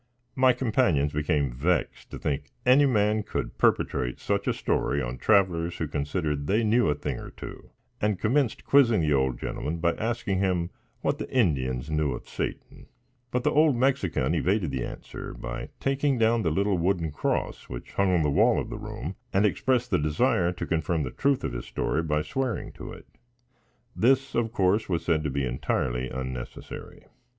My companions became vexed to think any man could perpetrate such a story on travelers, who considered they knew a thing or two, and commenced quizzing the old gentleman by asking him what the Indians knew of Satan; but the old Mexican evaded the answer by taking down the little wooden cross which hung on the wall of the room and expressed the desire to confirm the truth of his story by swearing to it; this, of course, was said to be entirely unnecessary.